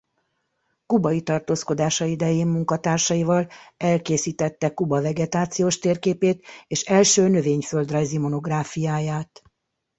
Kubai tartózkodása idején munkatársaival elkészítette Kuba vegetációs térképét és első növényföldrajzi monográfiáját.